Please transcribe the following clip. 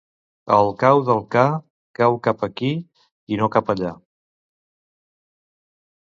El cau del ca cau cap aquí i no cap allà.